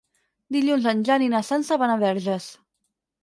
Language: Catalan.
Dilluns en Jan i na Sança van a Verges.